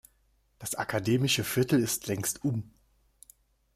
Das akademische Viertel ist längst um.